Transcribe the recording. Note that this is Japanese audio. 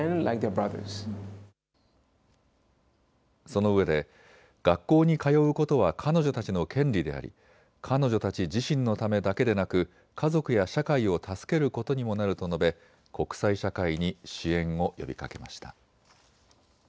そのうえで学校に通うことは彼女たちの権利であり彼女たち自身のためだけでなく家族や社会を助けることにもなると述べ国際社会に支援を呼びかけました。